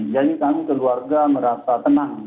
jadi kami keluarga merasa tenang